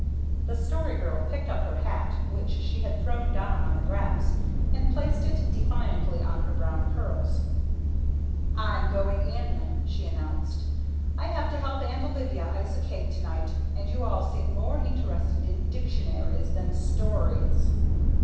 The Story Girl picked up her hat, which she had thrown down on the grass, and placed it defiantly on her brown curls. "I'm going in," she announced. "I have to help Aunt Olivia ice a cake tonight, and you all seem more interested in dictionaries than stories."